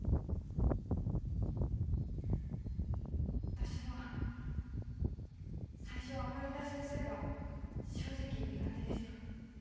私は最初は甘利田先生が正直苦手でした。